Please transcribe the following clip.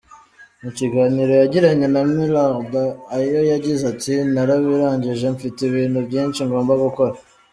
Mu kiganiro yagiranye na Millard Ayo yagize ati “Narabirangije, mfite ibintu byinshi ngomba gukora.